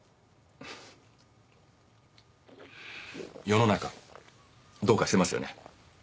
世の中どうかしてますよね。